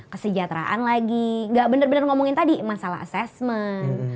kesejahteraan lagi gak bener bener ngomongin tadi masalah assessment